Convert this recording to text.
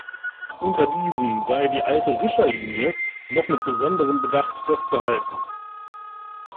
Unter diesen sei die alte Rischer Linie noch mit besonderem Bedacht festgehalten!